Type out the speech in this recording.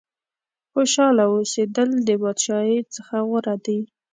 خوشاله اوسېدل د بادشاهۍ څخه غوره دي.